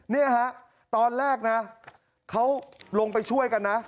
เนี่ยฮะตอนแรกนะเขาลงไปช่วยกันนะ